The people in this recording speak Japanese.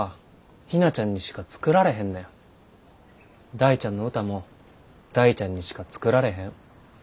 大ちゃんの歌も大ちゃんにしか作られへん。